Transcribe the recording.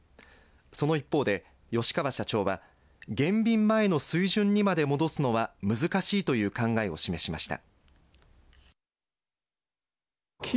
その一方で吉川社長は減便前の水準にまで戻すのは難しいという考えを示しました。